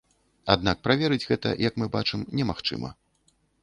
Аднак праверыць гэта, як мы бачым, немагчыма.